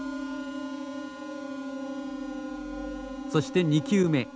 そして２球目。